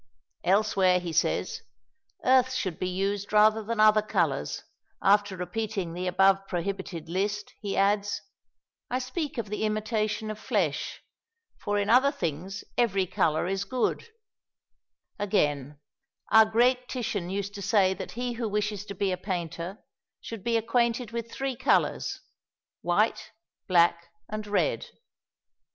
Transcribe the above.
" Elsewhere he says, "Earths should be used rather than other colours:" after repeating the above prohibited list he adds, "I speak of the imitation of flesh, for in other things every colour is good;" again, "Our great Titian used to say that he who wishes to be a painter should be acquainted with three colours, white, black, and red."